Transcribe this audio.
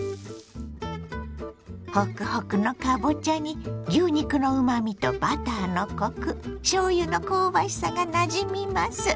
ホクホクのかぼちゃに牛肉のうまみとバターのコクしょうゆの香ばしさがなじみます。